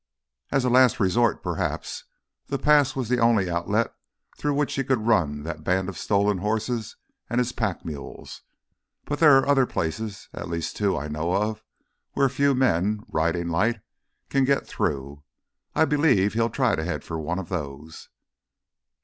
"As a last resort, perhaps. The pass was the only outlet through which he could run that band of stolen horses and his pack mules. But there are other places, at least two I know of, where a few men, riding light, can get through. I believe he'll try to head for one of those."